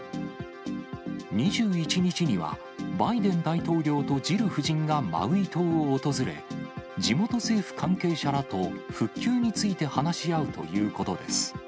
２１日には、バイデン大統領とジル夫人がマウイ島を訪れ、地元政府関係者らと復旧について話し合うということです。